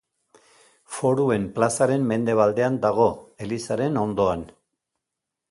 Foruen plazaren mendebaldean dago, elizaren ondoan.